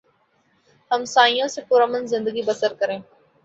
ہمسایوں سے پر امن زندگی بسر کریں